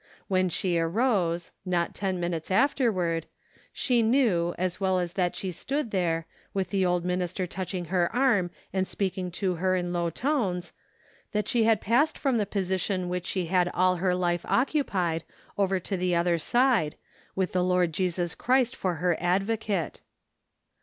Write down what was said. When she arose, not ten minutes afterward, she knew, as well as that she stood there, with the old minister touching her arm and speaking to her in low tones, that she had passed from the position which she had all her life occu¬ pied over to the other side, with the Lord Jesus Christ for her advocate.